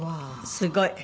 すごい。